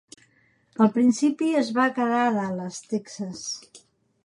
Al principi es va quedar a Dallas, Texas.